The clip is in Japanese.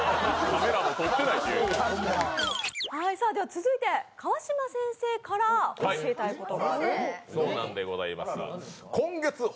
続いて、川島先生から教えたいこと。